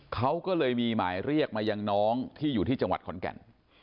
เขาก็เลยมีหมายเรียกมายังน้องที่อยู่ที่จังหวัดขอนแก่น